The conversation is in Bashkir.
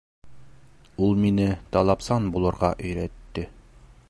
Ул мине талапсан булырға өйрәтте.